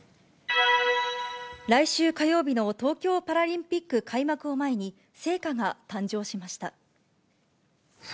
来週火曜日の東京パラリンピック開幕を前に、聖火が誕生しました。